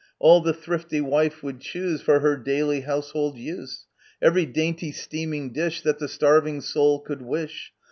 All the thrifty wife would choose For her daily household use ; Every dainty steaming dish That the starving soul could wish.